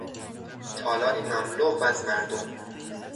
تالاری مملو از مردم